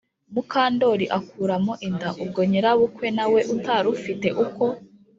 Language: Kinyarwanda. mukandori akuramo inda. ubwo nyirabukwe na we utari ufite uko